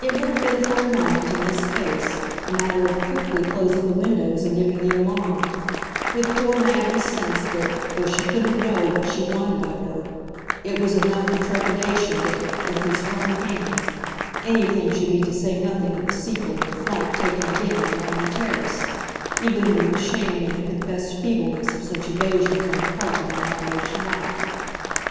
It would have been for a moment, in this case, a matter of quickly closing the windows and giving the alarm with poor Maggie's sense that, though she couldn't know what she wanted of her, it was enough for trepidation that, at these firm hands, anything should be to say nothing of the sequel of a flight taken again along the terrace, even under the shame of the confessed feebleness of such evasions on the part of an outraged wife.